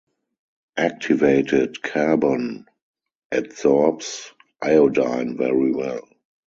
Activated carbon adsorbs iodine very well.